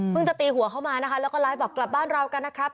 จะตีหัวเข้ามานะคะแล้วก็ไลฟ์บอกกลับบ้านเรากันนะครับ